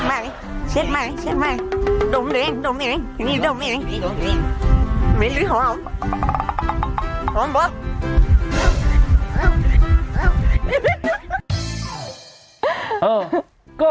อ้าพ่อดมล่ะ